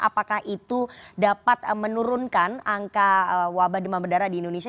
apakah itu dapat menurunkan angka wabah demam berdarah di indonesia